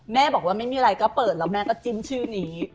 แม่บอกว่าไม่มีอะไรก็เปิดแล้วแม่ก็จิ้มชื่อนี้